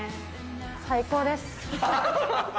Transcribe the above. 最高です。